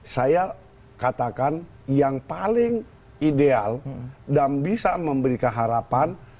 saya katakan yang paling ideal dan bisa memberikan harapan